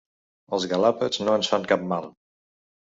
Els galàpets no ens fan cap mal.